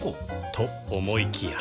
と思いきや